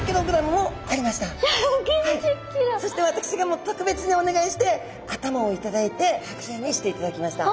そして私がもう特別にお願いして頭を頂いて剥製にしていただきました。